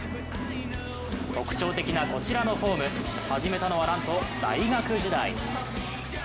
特徴的なこちらのフォーム始めたのはなんと大学時代。